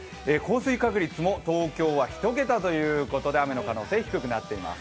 降水確率も東京は１桁ということで雨の可能性、低くなっています。